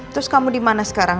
terus kamu dimana sekarang